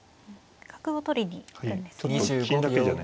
角を取りに行くんですね。